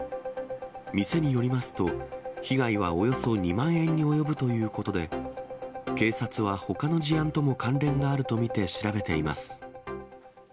店によりますと、被害はおよそ２万円に及ぶということで、警察は、ほかの事案とも関連があると見て調べています。